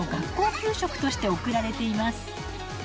給食として送られています。